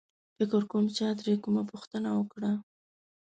فکر کوم چا ترې کومه پوښتنه وکړه.